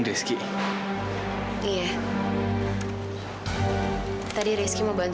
tadi risky mau bantuin aku counselor bunu ke tahap empat belas tahun ya